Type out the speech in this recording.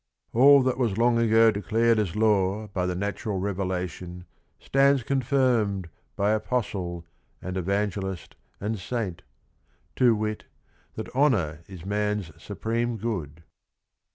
"All that was long ago declared as law By the natural revelation, stands confirmed By Apostle and Evangelist and Saint, — To wit — that Honour is man's supreme good."